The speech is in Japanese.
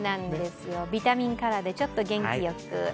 ビタミンカラーでちょっと元気よく。